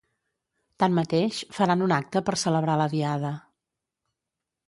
Tanmateix, faran un acte per celebrar la Diada.